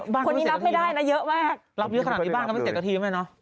บ้านเขาจะเสร็จกว่าทีไหมรับเยอะขนาดนี้บ้านเขาไม่เสร็จกว่าทีไหม